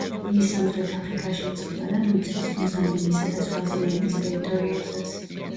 იგი სამხრეთ აფრიკაში იწყება და მოიცავს მოზამბიკისა და სვაზილენდის ტერიტორიებსაც.